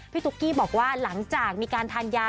ตุ๊กกี้บอกว่าหลังจากมีการทานยา